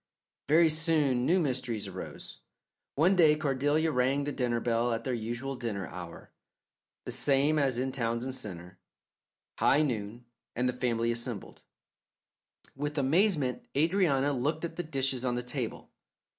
Very soon new mysteries arose. One day Cordelia rang the dinner bell at their usual dinner hour, the same as in Townsend Centre, high noon, and the family assembled. With amazement Adrianna looked at the dishes on the table.